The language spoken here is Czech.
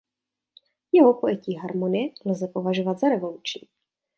Jeho pojetí harmonie lze považovat za revoluční.